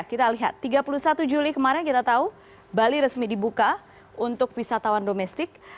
kita lihat tiga puluh satu juli kemarin kita tahu bali resmi dibuka untuk wisatawan domestik